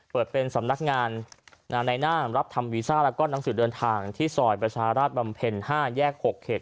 เปิดเป็นสำนักงานในหน้ามรับทำวีซ่าแล้วก็หนังสือเดินทางที่ซอยประชาราชบำเพ็ญ๕แยก๖เขต